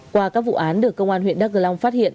qua các vụ án được công an huyện đắk long phát hiện